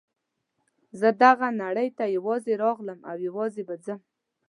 زه دغه نړۍ ته یوازې راغلم او یوازې به ځم.